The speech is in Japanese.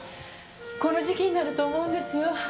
この時期になると思うんですよ。